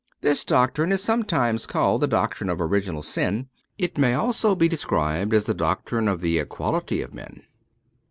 This doctrine is sometimes called the doctrine of original sin. It may also be described as the doctrine of the equality of men.